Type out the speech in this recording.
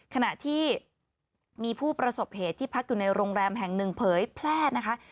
ขณะที่มีผู้ประสบเหตุที่พักอยู่ในโรงแรมแห่งหนึ่งเผยแพร่นะคะ